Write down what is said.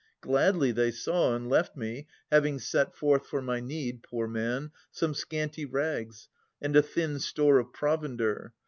Gladly they saw, And left me, having set forth for my need. Poor man ! some scanty rags, and a thin store Of provender.